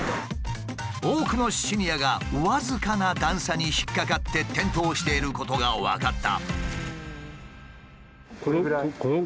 多くのシニアが僅かな段差に引っ掛かって転倒していることが分かった。